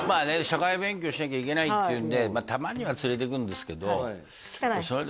社会勉強しなきゃいけないっていうんでたまには連れて行くんですけど汚い？